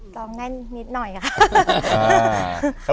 ตอนนี้นิดหน่อยครับ